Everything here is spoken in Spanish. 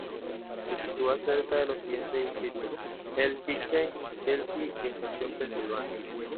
Se sitúa cerca de los siguientes distritos: Hell's Kitchen, Chelsea y Estación Pensilvania.